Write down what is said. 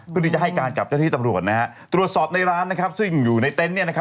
พอดีจะให้การกับเจ้าที่ตำรวจตรวจสอบในร้านซึ่งอยู่ในเต็นต์